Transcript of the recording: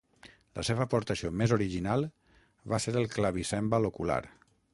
La seva aportació més original va ser el clavicèmbal ocular.